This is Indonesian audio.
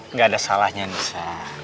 nggak ada salahnya anissa